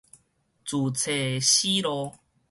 自揣死路